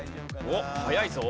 おっ早いぞ。